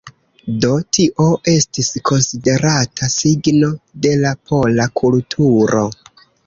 Do tio estis konsiderata signo de la pola kulturo.